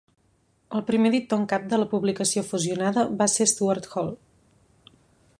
El primer editor en cap de la publicació fusionada va ser Stuart Hall.